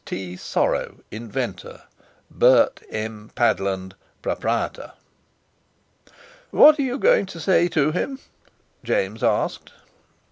T. SORROW, Inventor. BERT M. PADLAND, Proprietor. "What are you going to say to him?" James asked.